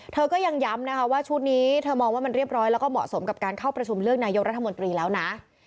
เธอก็ยังย้ำนะคะว่าชุดนี้เธอมองว่ามันเรียบร้อยแล้วก็เหมาะสมกับการเข้าประชุมเลือกนายกรัฐมนตรีแล้วนะ